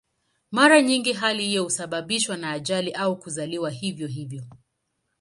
Mara nyingi hali hiyo husababishwa na ajali au kuzaliwa hivyo hivyo.